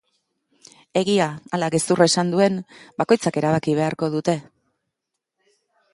Egia ala gezurra esan duen bakoitzak erabaki beharko dute.